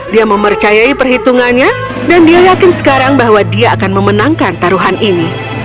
dia mempercayai perhitungannya dan dia yakin sekarang bahwa dia akan memenangkan taruhan ini